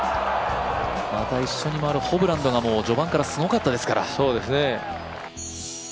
また一緒に回るホブランドが序盤からすごかったですから。